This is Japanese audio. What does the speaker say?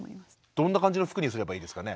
どんな感じの服にすればいいですかね？